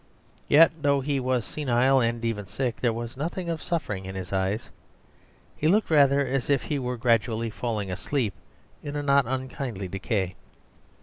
Yet though he was senile and even sick, there was nothing of suffering in his eyes; he looked rather as if he were gradually falling asleep in a not unkindly decay.